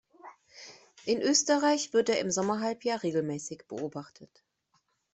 In Österreich wird er im Sommerhalbjahr regelmäßig beobachtet.